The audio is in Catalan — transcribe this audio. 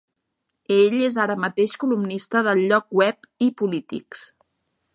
Ell és ara mateix columnista del lloc web iPolitics.